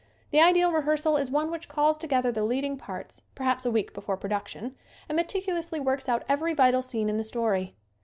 The ideal rehearsal is one which calls together the lead ing parts perhaps a week before production and meticulously works out every vital scene in the story.